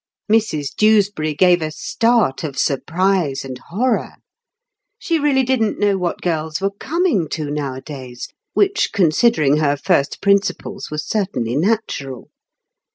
Mrs Dewsbury gave a start of surprise and horror. She really didn't know what girls were coming to nowadays—which, considering her first principles, was certainly natural.